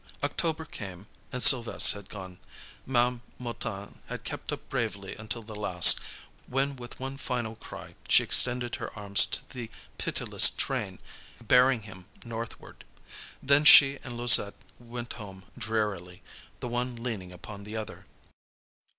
October came, and Sylves' had gone. Ma'am Mouton had kept up bravely until the last, when with one final cry she extended her arms to the pitiless train bearing him northward. Then she and Louisette went home drearily, the one leaning upon the other.